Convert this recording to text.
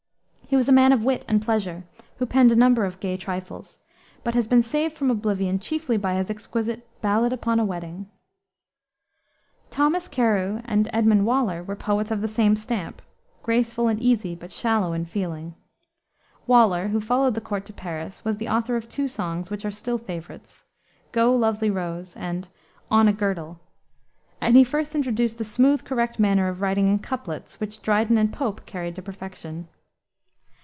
He was a man of wit and pleasure, who penned a number of gay trifles, but has been saved from oblivion chiefly by his exquisite Ballad upon a Wedding. Thomas Carew and Edmund Waller were poets of the same stamp graceful and easy, but shallow in feeling. Waller, who followed the court to Paris, was the author of two songs, which are still favorites, Go, Lovely Rose, and On a Girdle, and he first introduced the smooth correct manner of writing in couplets, which Dryden and Pope carried to perfection.